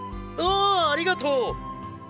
ああありがとう。